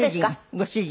ご主人。